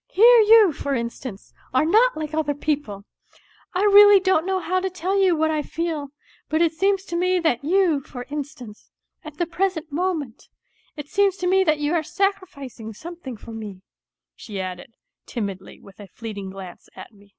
" Here you, for instance, are not like other people ! I really don't know how to tell you what I feel ; but it seems to me that you, for instance ... at the present moment ... it seems to me that you are sacrificing 38 WHITE NIGHTS something for me," she added timidly, with a fleeting glance at me.